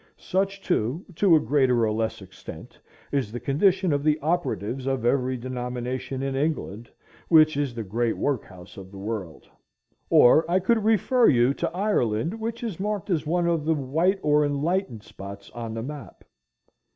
Such too, to a greater or less extent, is the condition of the operatives of every denomination in England, which is the great workhouse of the world. Or I could refer you to Ireland, which is marked as one of the white or enlightened spots on the map.